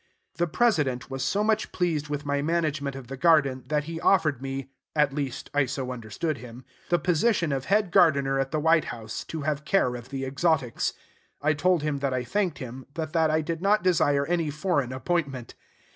The President was so much pleased with my management of the garden, that he offered me (at least, I so understood him) the position of head gardener at the White House, to have care of the exotics. I told him that I thanked him, but that I did not desire any foreign appointment.